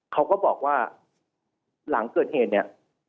เขาก็บอกว่าหลังเกิดเหตุเนี่ย